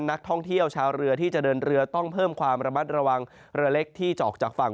นักท่องเที่ยวชาวเรือที่จะเดินเรือต้องเพิ่มความระมัดระวังเรือเล็กที่จะออกจากฝั่ง